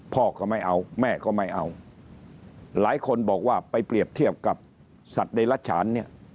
พ่อก็ไม่เอาแม่ก็ไม่เอาหลายคนบอกว่าไปเปรียบเทียบกับสัตว์เดรัชฉานเนี่ย